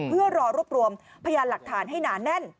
เพื่อรอรวบรวมพยานหลักฐานให้หนาแน่น